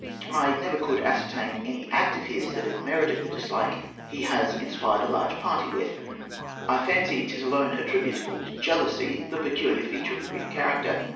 I never could ascertain any act of his that merited the dislike he has inspired a large party with. I fancy 'tis alone attributable to jealousy—the peculiar feature of the Greek character.